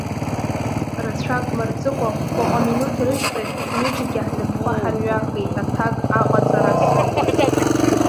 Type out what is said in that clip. Рацәак мырҵыкәа хәбаҟа минуҭ рышьҭахь ҳҩыџьагьы ҳнапқәа ҳарҩахеит аҭак аҟаҵаразын.